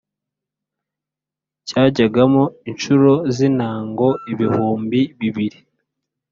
Cyajyagamo incuro z’intango ibihumbi bibiri